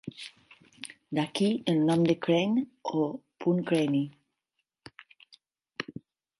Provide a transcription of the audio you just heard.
D'aquí el nom de "Crayne" o "Punt Craney".